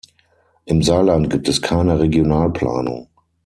Im Saarland gibt es keine Regionalplanung.